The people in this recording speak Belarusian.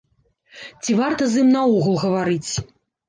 Ці варта з ім наогул гаварыць.